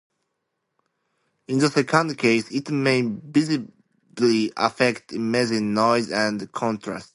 In the second case, it may visibly affect image noise and contrast.